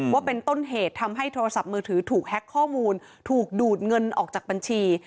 ว่าเป็นต้นเหตุทำให้โทรศัพท์มือถือถูกแฮ็กข้อมูลถูกดูดเงินออกจากบัญชี